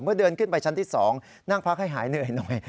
เดินขึ้นไปชั้นที่๒นั่งพักให้หายเหนื่อยหน่อย